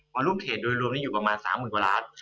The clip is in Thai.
วันรุ่นเทรดโดยรวมอยู่ประมาณ๓๐๐๐๐กว่าล้าน